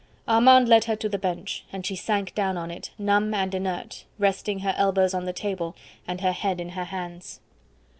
Armand led her to the bench, and she sank down on it, numb and inert, resting her elbows on the table and her head in her hands.